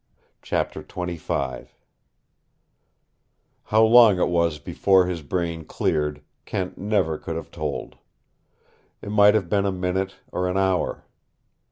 CHAPTER XXV How long it was before his brain cleared, Kent never could have told. It might have been a minute or an hour.